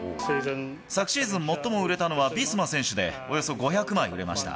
昨シーズン最も売れたのはビスマ選手で、およそ５００枚売れました。